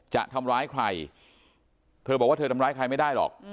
จะทำร้ายใครเธอบอกว่าเธอทำร้ายใครไม่ได้หรอก